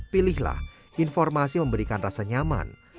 pilihlah informasi memberikan rasa nyaman